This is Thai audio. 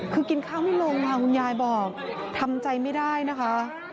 คือกินข้าวไม่ลงค่ะคุณยายบอกทำใจไม่ได้นะคะ